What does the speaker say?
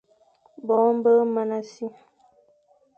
Boñe be mana si,